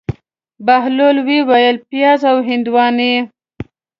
بهلول وویل: پیاز او هندواڼې.